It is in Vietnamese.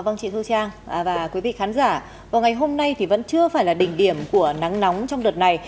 vâng chị thu trang và quý vị khán giả vào ngày hôm nay thì vẫn chưa phải là đỉnh điểm của nắng nóng trong đợt này